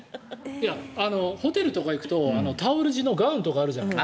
いや、ホテルとかに行くとタオル地のガウンとかあるじゃない。